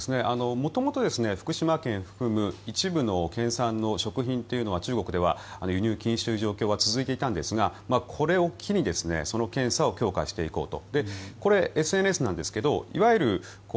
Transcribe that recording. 元々、福島県を含む一部の県産の食品というのは中国では輸入禁止という状況は続いていたんですがこれを機にその検査を強化していこうと。